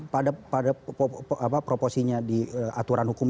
pada proposinya di aturan hukum